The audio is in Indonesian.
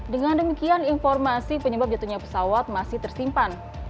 dengan demikian informasi penyebab jatuhnya pesawat masih tersimpan